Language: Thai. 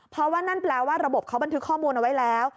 เพราะว่านั่นแปลว่าระบบเขาบันทึกข้อมูลเอาไว้แล้ว